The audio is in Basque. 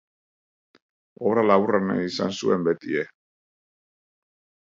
Obra laburra nahi izan zuen beti E.